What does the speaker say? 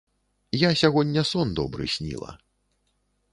Я сягоння сон добры сніла.